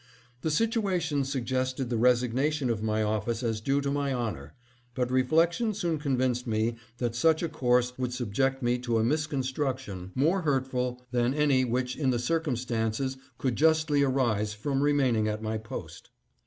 " The situation suggested the resignation of my office as due to my honor ; but reflection soon convinced me that such a course would subject me to a misconstruction more hurtful than any which, in the circumstances, could justly arise from remaining at my post.